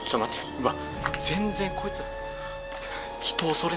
うわっ全然こいつ。